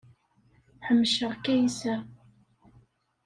Ḥemceɣ Kaysa.